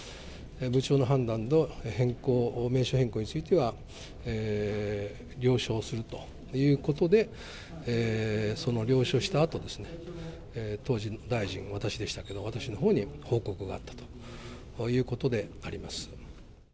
部長の判断で変更、名称変更については、了承するということで、その了承したあとですね、当時の大臣、私でしたけど、私のほうに報告があったということであります。